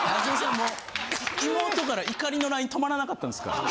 もう妹から怒りのＬＩＮＥ止まらなかったんですから。